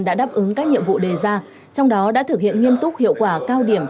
đã đáp ứng các nhiệm vụ đề ra trong đó đã thực hiện nghiêm túc hiệu quả cao điểm